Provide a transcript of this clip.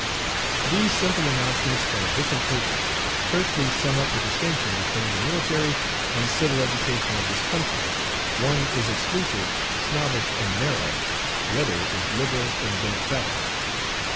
"These simple announcements from different papers tersely sum up the distinction between the military and civil education of this country. One is exclusive, snobbish, and narrow, the other is liberal and democratic.